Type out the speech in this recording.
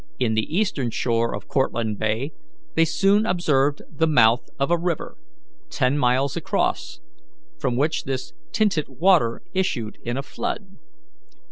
In the eastern shore of Cortlandt Bay they soon observed the mouth of a river, ten miles across, from which this tinted water issued in a flood.